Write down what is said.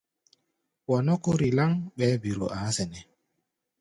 Wa nɔ́ kúri láŋ, ɓɛɛ́ biro a̧á̧ sɛnɛ́.